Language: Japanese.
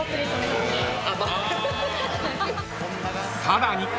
［さらに］